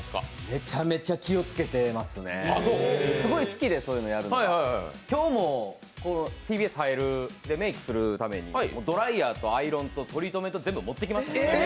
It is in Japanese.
めちゃめちゃ気をつけていますね、すごい好きで、そういうのやるのが今日もＴＢＳでメークするためにドライヤーとアイロンとトリートメント、全部持ってきました。